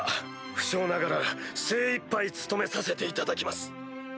不肖ながら精いっぱい努めさせていただきます。